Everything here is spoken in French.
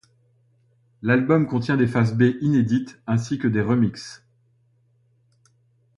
L'album contient des faces B inédites ainsi que des remixes.